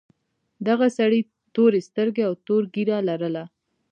دغه سړي تورې سترګې او تور ږیره لرله.